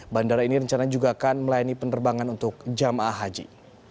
bandara ini rencana juga akan melayani penerbangan untuk jamaah haji